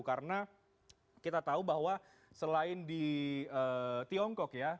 karena kita tahu bahwa selain di tiongkok ya